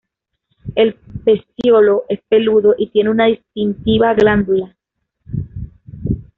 El peciolo es peludo y tiene una distintiva glándula.